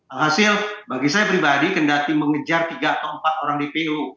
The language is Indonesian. alhasil bagi saya pribadi kendati mengejar tiga atau empat orang dpo